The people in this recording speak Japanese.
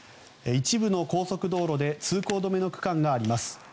一部の高速道路で通行止めの区間があります。